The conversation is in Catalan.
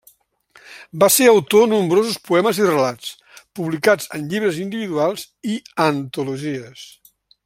Va ser autor nombrosos poemes i relats, publicats en llibres individuals i antologies.